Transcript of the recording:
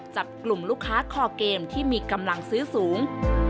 จับกลุ่มลูกค้าคอเกมที่มีกำลังซื้อสูง